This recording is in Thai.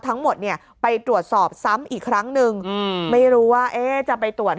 ทั้งหมดเนี่ยไปตรวจสอบซ้ำอีกครั้งหนึ่งไม่รู้ว่าจะไปตรวจ